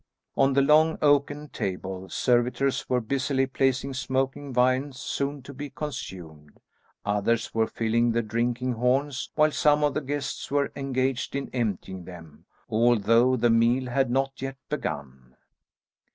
On the long oaken table, servitors were busily placing smoking viands soon to be consumed; others were filling the drinking horns, while some of the guests were engaged in emptying them, although the meal had not yet begun.